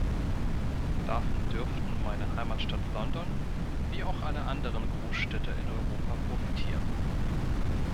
Davon dürften meine Heimatstadt London wie auch alle anderen Großstädte in Europa profitieren.